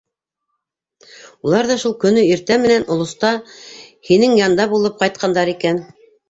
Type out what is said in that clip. Улар ҙа шул көнө иртә менән олоста һинең янда булып ҡайтҡандар икән.